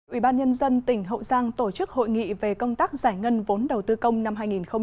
ủy ban nhân dân tỉnh hậu giang tổ chức hội nghị về công tác giải ngân vốn đầu tư công năm hai nghìn hai mươi